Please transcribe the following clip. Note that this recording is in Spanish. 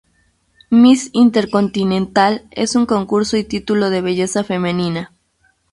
Miss Intercontinental es un concurso y título de belleza femenina.